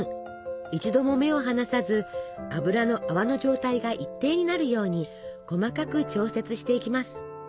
一度も目を離さず油の泡の状態が一定になるように細かく調節していきます。